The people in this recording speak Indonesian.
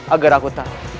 agar aku tahu